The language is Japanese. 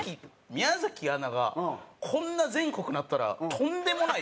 宮アナがこんな全国なったらとんでもない。